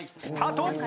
スタート。